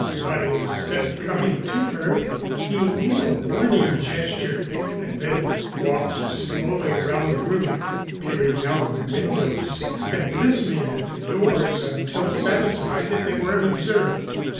But instead of coming to her he made a warning gesture and then walked slowly around the room, peering out of the windows and listening at the doors until satisfied that they were unobserved.